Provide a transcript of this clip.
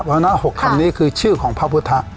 เพราะฉะนั้น๖คำนี้คือชื่อของพระพุทธ